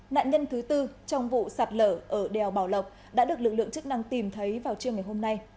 nạn nhân thứ tư trong vụ sạt lở ở đèo bảo lộc đã được lực lượng chức năng tìm thấy vào trưa ngày hôm nay